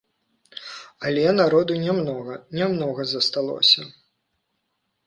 Але народу нямнога, нямнога засталося.